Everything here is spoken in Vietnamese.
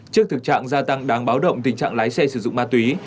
trước thực trạng gia tăng đáng báo động tình trạng lái xe sử dụng ma túy